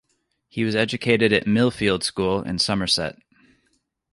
He was educated at Millfield School in Somerset.